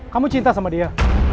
kamu cinta sama dia